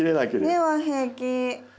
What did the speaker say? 根は平気。